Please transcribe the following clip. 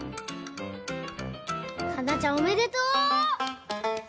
かんなちゃんおめでとう！